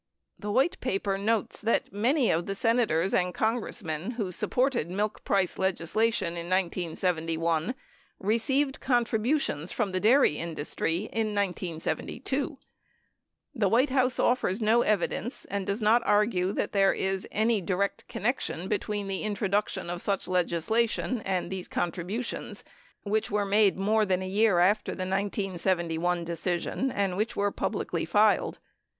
The White Paper notes that many of the Senators and Congressmen who sup ported milk price legislation in 1971 received contributions from the dairy industry in 1972. The White House offers no evidence and does not argue that there is any direct connection between the introduction of such legislation and these contributions, which were made more than a year after the 1971 decision and which were publicly filed.